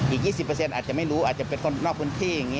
อีก๒๐อาจจะไม่รู้อาจจะเป็นคนนอกพื้นที่